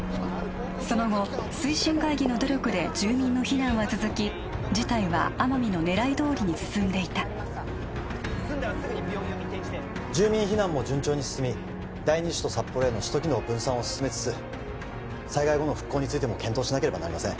その後推進会議の努力で住民の避難は続き事態は天海の狙いどおりに進んでいた住民避難も順調に進み第二首都札幌への首都機能分散を進めつつ災害後の復興についても検討しなければなりません